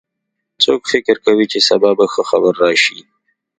څوک فکر کوي چې سبا به ښه خبر راشي